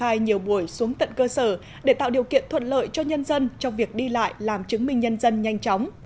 họ đã đưa nhiều buổi xuống tận cơ sở để tạo điều kiện thuận lợi cho nhân dân trong việc đi lại làm chứng minh nhân dân nhanh chóng